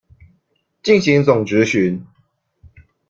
進行總質詢